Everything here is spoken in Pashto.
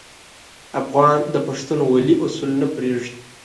افغان د پښتونولي اصول نه پرېږدي.